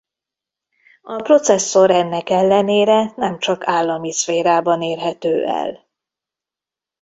A processzor ennek ellenére nem csak állami szférában érhető el.